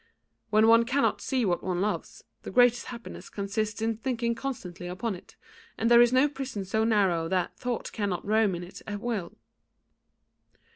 When one cannot see what one loves, the greatest happiness consists in thinking constantly upon it, and there is no prison so narrow that thought cannot roam in it at will."